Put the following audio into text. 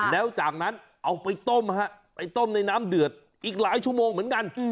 แล้วจากนั้นเอาไปต้มฮะไปต้มในน้ำเดือดอีกหลายชั่วโมงเหมือนกัน